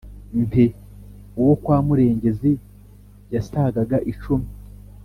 Nti: "Uwo kwa Murengezi yasagaga icumi,